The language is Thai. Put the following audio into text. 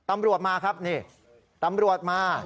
ตำรวจมาครับนี่ตำรวจมา